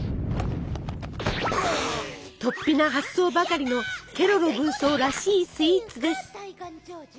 とっぴな発想ばかりのケロロ軍曹らしいスイーツです。